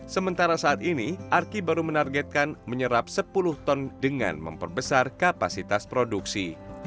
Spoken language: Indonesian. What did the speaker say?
sementara saat ini arki baru menargetkan menyerap sepuluh ton dengan memperbesar kapasitas produksi